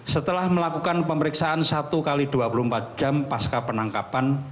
setelah melakukan pemeriksaan satu x dua puluh empat jam pasca penangkapan